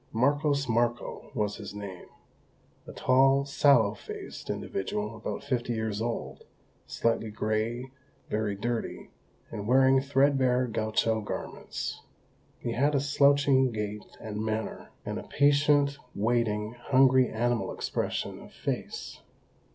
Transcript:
Marcos Marcó was his name; a tall, sallow faced individual about fifty years old, slightly grey, very dirty, and wearing threadbare gaucho garments. He had a slouching gait and manner, and a patient, waiting, hungry animal expression of face.